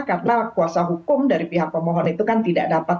karena kuasa hukum dari pihak pemohon itu kan tidak dapat